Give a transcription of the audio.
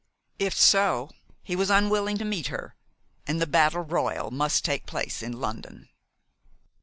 If so, he was unwilling to meet her, and the battle royal must take place in London.